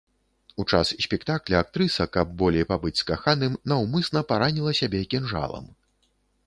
У час спектакля актрыса, каб болей пабыць з каханым, наўмысна параніла сябе кінжалам.